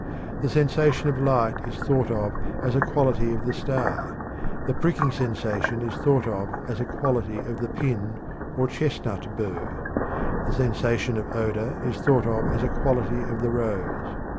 The sensation of light is thought of as a quality of the star; the pricking sensation is thought of as a quality of the pin or chestnut bur; the sensation of odor is thought of as a quality of the rose.